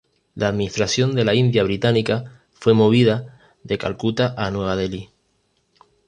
La administración de la India Británica fue movida de Calcuta a Nueva Delhi.